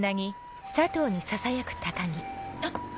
あっ！